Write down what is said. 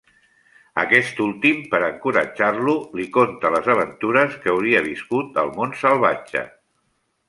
Aquest últim, per a encoratjar-lo, li conta les aventures que hauria viscut al món salvatge.